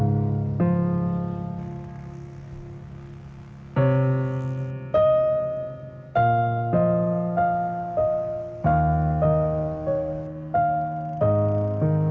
udah ya makasih ya bu